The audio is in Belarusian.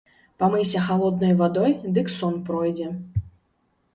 Памыйся халоднай вадой, дык сон пройдзе.